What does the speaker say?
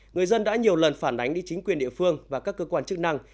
người dân đã nhiều lần phản ánh đi chính quyền địa phương và các cơ quan chức năng